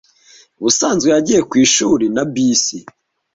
Ubusanzwe yagiye mwishuri na bisi.